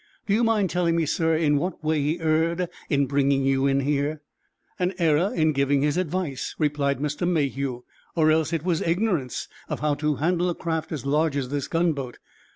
Do you mind telling me, sir, in what way he erred in bringing you in here?" "An error in giving his advice," replied Mr. Mayhew. "Or else it was ignorance of how to handle a craft as large as this gunboat.